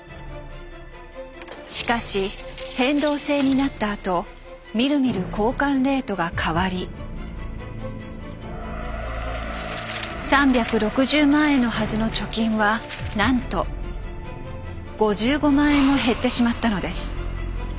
しかし変動制になったあとみるみる交換レートが変わり３６０万円のはずの貯金はなんと５５万円も減ってしまったのです。